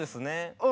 うん。